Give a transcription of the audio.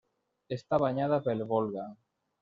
Està banyada pel Volga.